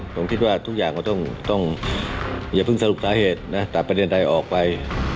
ผมคิดว่าทุกอย่างก็ดังเหตุอย่างเข้าแต่ประเด็นใดออกไป